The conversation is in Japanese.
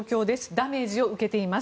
ダメージを受けています。